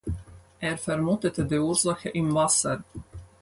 Er vermutete die Ursache im Wasser.